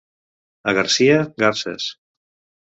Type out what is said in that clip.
A Garcia, garses.